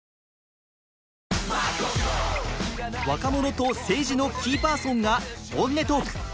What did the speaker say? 若者と政治のキーパーソンが本音トーク。